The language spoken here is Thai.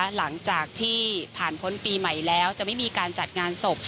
หลังจากที่ผ่านพ้นปีใหม่แล้วจะไม่มีการจัดงานศพ